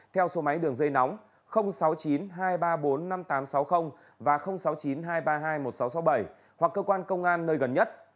theo số máy đường dây nóng sáu mươi chín hai trăm ba mươi bốn năm nghìn tám trăm sáu mươi và sáu mươi chín hai trăm ba mươi hai một nghìn sáu trăm sáu mươi bảy hoặc cơ quan công an nơi gần nhất